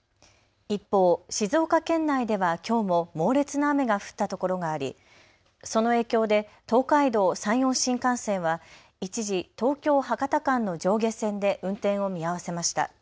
一方、静岡県内ではきょうも猛烈な雨が降った所がありその影響で東海道、山陽新幹線は一時、東京・博多間の上下線で運転を見合わせました。